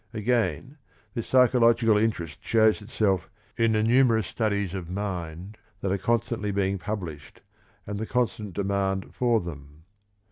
Again, this psychological interest shows itself in the numerous studies of mind that are constantly being published, and the constant demand for them.